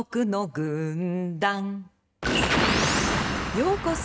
ようこそ